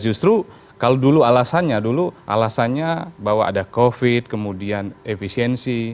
justru kalau dulu alasannya dulu alasannya bahwa ada covid kemudian efisiensi